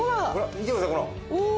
見てくださいほら。